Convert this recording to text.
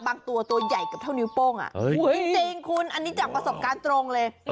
บางตัวตัวใหญ่กับเท่านิ้วโป้งจริงคุณอันนี้จากประสบการณ์ตรงเลย